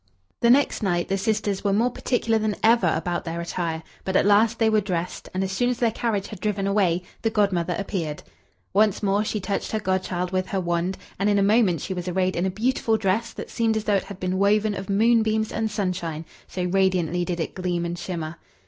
The next night, the sisters were more particular than ever about their attire, but at last they were dressed, and as soon as their carriage had driven away, the Godmother appeared. Once more she touched her godchild with her wand, and in a moment she was arrayed in a beautiful dress that seemed as though it had been woven of moon beams and sunshine, so radiantly did it gleam and shimmer.